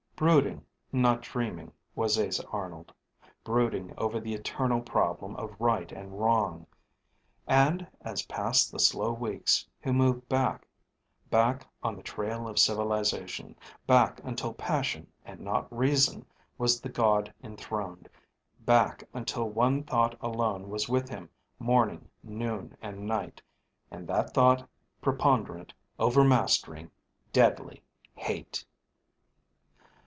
Brooding, not dreaming, was Asa Arnold; brooding over the eternal problem of right and wrong. And, as passed the slow weeks, he moved back back on the trail of civilization, back until Passion and not Reason was the god enthroned; back until one thought alone was with him morning, noon, and night, and that thought preponderant, overmastering, deadly hate.